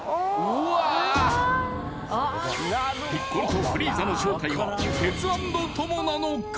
ピッコロとフリーザの正体はテツａｎｄトモなのか？